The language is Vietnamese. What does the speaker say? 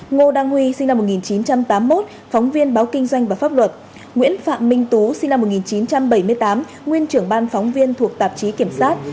ngô đăng huy sinh năm một nghìn chín trăm tám mươi một phóng viên báo kinh doanh và pháp luật nguyễn phạm minh tú sinh năm một nghìn chín trăm bảy mươi tám nguyên trưởng ban phóng viên thuộc tạp chí kiểm soát